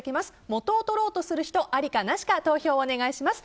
元を取ろうとする人ありかなしか投票をお願いします。